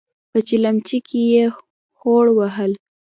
په چلمچي کې يې خوړ وهل.